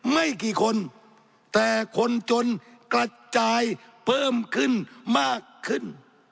ไม่กี่คนแต่คนจนกระจายเพิ่มขึ้นมากขึ้น